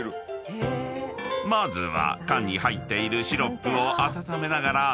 ［まずは］